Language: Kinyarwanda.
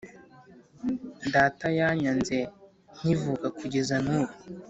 Data yanyanze nkivuka kugeza nubu